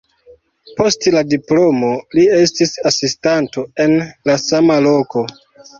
Post la diplomo li estis asistanto en la sama loko.